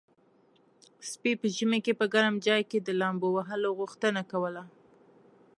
سپي په ژمي کې په ګرم چای کې د لامبو وهلو غوښتنه کوله.